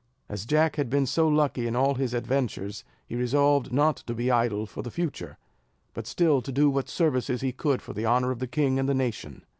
As Jack had been so lucky in all his adventures, he resolved not to be idle for the future, but still to do what services he could for the honour of the king and the nation.